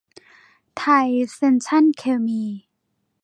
ไทยเซ็นทรัลเคมี